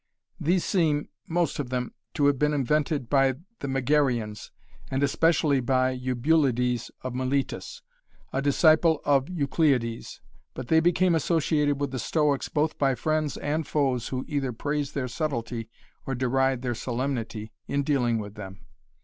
These seem most of them to have been invented by the Megarians and especially by Eubulides of Miletus a disciple of Eucleides but they became associated with the Stoics both by friends and foes who either praise their subtlety or deride their solemnity in dealing with them.